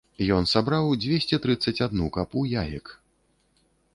Ён сабраў дзвесце трыццаць адну капу яек.